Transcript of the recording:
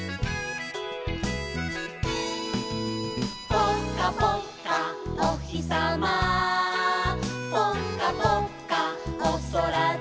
「ぽかぽっかおひさま」「ぽかぽっかおそらで」